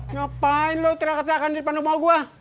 ngapain lo ternyata terangkan di depan rumah gue